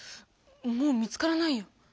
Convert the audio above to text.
もう見つからないよ。